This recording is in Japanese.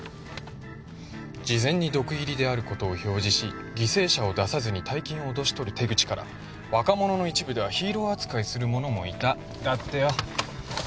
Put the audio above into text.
「事前に毒入りであることを表示し犠牲者を出さずに大金を脅し取る手口から若者の一部ではヒーロー扱いする者もいた」だってよ。